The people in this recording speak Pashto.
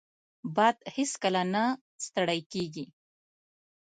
باد هیڅکله نه ستړی کېږي